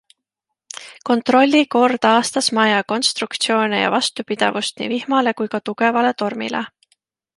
Kontrolli kord aastas maja konstruktsioone ja vastupidavust nii vihmale kui ka tugevale tormile.